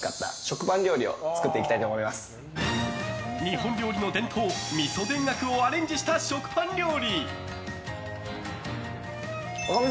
日本料理の伝統、みそ田楽をアレンジした食パン料理！